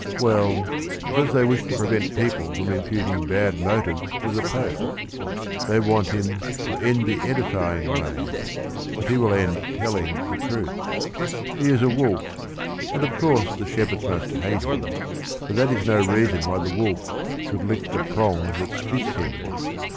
Well, because they wish to pre vent people from imputing bad motives to the Pope. They want him to "end the edifying way," but he will end telling the truth. He is a wolf, and of course the shepherds must hate him, but that is no reason why the wolf should " lick the prong that spits him."